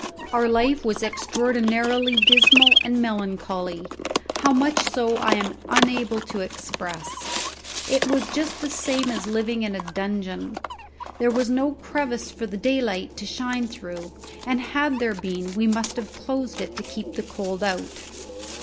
Our life was extraordinarily dismal and melancholy, how much so I am unable to express. It was just the same as living in a dungeon. There was no crevice for the daylight to shine through, and had there been we must have closed it to keep the cold out.